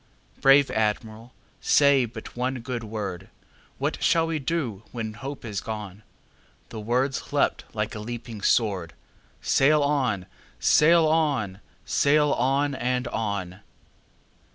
Brave Admiral, say but one good word:What shall we do when hope is gone?"The words leapt like a leaping sword:"Sail on! sail on! sail on! and on!"